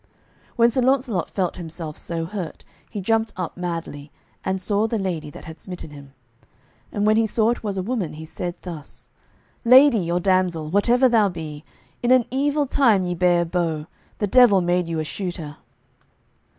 When Sir Launcelot felt himself so hurt, he jumped up madly, and saw the lady that had smitten him. And when he saw it was a woman, he said thus; "Lady or damsel, whatever thou be, in an evil time ye bare a bow; the devil made you a shooter."